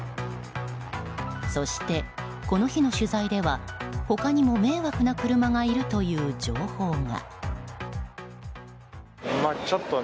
そして、この日の取材では他にも迷惑な車がいるという情報が。